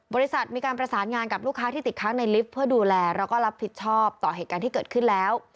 บริษัทมีการประสานงานกับลูกค้าที่ติดค้างในลิฟต์เพื่อดูแลแล้วก็รับผิดชอบต่อเหตุการณ์ที่เกิดขึ้นแล้ว